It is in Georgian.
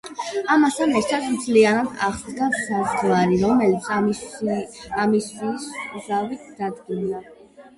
ამასთან ერთად მთლიანად აღსდგა საზღვარი, რომელიც ამასიის ზავით დადგინდა.